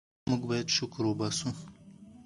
موږ باید شکر وباسو.